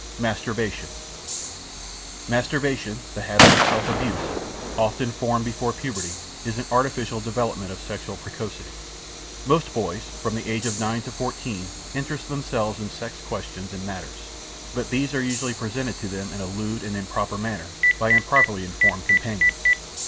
MASTURBATION Masturbation, the habit of self abuse, often formed before puberty, is an artificial development of sexual precocity. Most boys, from the age of nine to fourteen, interest themselves in sex questions and matters, but these are usually presented to them in a lewd and improper manner, by improperly informed companions.